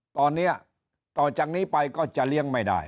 ตอนนี้ต่อจากนี้ไปก็จะเลี้ยงไม่ได้